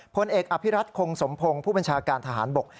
พลเอกอภิรัตคงสมพงศ์ผู้บัญชาการทหารบก